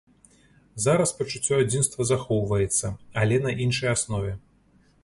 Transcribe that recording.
Зараз пачуццё адзінства захоўваецца, але на іншай аснове.